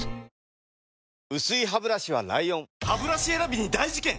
薄いハブラシは ＬＩＯＮハブラシ選びに大事件！